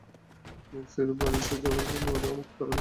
Magistrate এর বাড়িতে যাওয়ার পথে ওরা আমাকে তাড়া করা শুরু করে।